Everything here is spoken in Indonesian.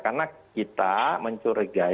karena kita mencurigai